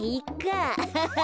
アハハハハ。